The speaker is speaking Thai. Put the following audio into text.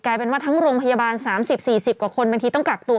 เป็นว่าทั้งโรงพยาบาล๓๐๔๐กว่าคนบางทีต้องกักตัว